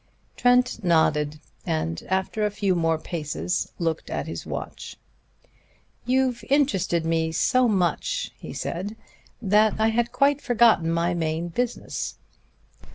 Trent nodded, and after a few more paces looked at his watch. "You've interested me so much," he said, "that I had quite forgotten my main business.